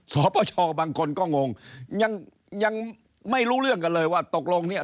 ปปชบางคนก็งงยังยังไม่รู้เรื่องกันเลยว่าตกลงเนี่ย